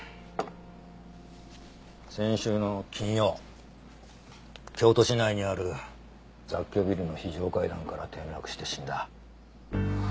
先週の金曜京都市内にある雑居ビルの非常階段から転落して死んだ。